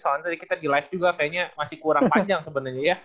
soalnya tadi kita di live juga kayaknya masih kurang panjang sebenarnya ya